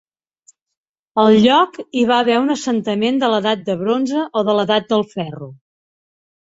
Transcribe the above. Al lloc hi va haver un assentament de l'edat del bronze o de l'edat del ferro.